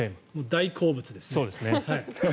大好物ですね。